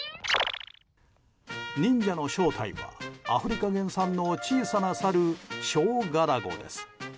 忍者の正体は、アフリカ原産の小さなサル、ショウガラゴです。